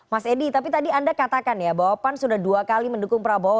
mas edi tapi tadi anda katakan ya bahwa pan sudah dua kali mendukung prabowo